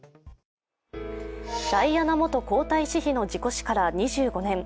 ダイアナ元皇太子妃の事故死から２５年。